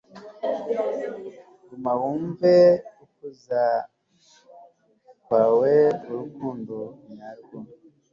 Guma wumve ukuza kwaweurukundo nyarwo